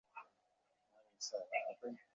কেহই প্রকৃতপক্ষে কখনও অপরের দ্বারা শিক্ষিত হয় নাই।